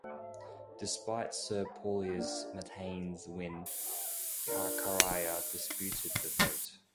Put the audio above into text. Despite Sir Paulias Matane's win, Kakaraya disputed the vote.